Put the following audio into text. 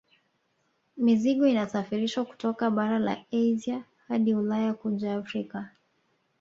Mizigo inasafirishwa kutoka bara la Asia na Ulaya kuja Afrika